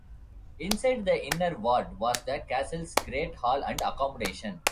Inside the inner ward was the castle's Great Hall and accommodation.